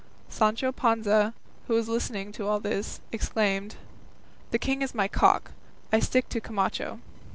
Sancho Panza, who was listening to all this, exclaimed, "The king is my cock; I stick to Camacho."